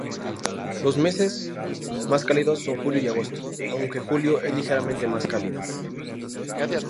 Los meses más cálidos son julio y agosto, aunque julio es ligeramente más cálido.